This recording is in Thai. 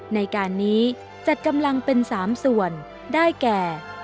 ในการนี้จัดกำลังเป็น๓ส่วนได้แก่